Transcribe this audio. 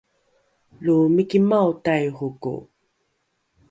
lo mikimao taihoko